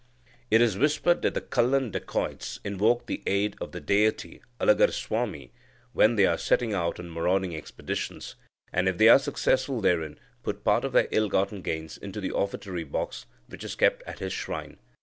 It is whispered that Kallan dacoits invoke the aid of their deity Alagarswami, when they are setting out on marauding expeditions, and, if they are successful therein, put part of their ill gotten gains into the offertory box, which is kept at his shrine.